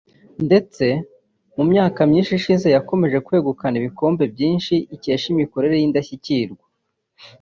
ndetse mu myaka ishize yakomeje kwegukana ibikombe byinshi ikesha imikorere y’indashyikirwa